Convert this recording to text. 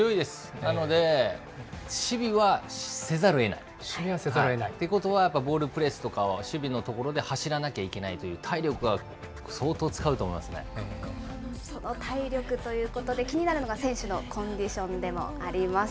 なので、守備はせざるをえない。ということは、やっぱボールプレスとかを守備のところで走らなきゃいけないといその体力ということで、気になるのが選手のコンディションでもあります。